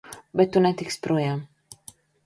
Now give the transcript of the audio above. Bet tu netiksi projām!